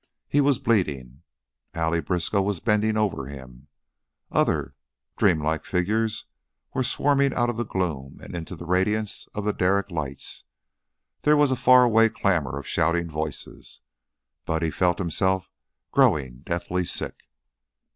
He was bleeding. Allie Briskow was bending over him. Other dim, dreamlike figures were swarming out of the gloom and into the radiance of the derrick lights; there was a far away clamor of shouting voices. Buddy Briskow felt himself growing deathly sick.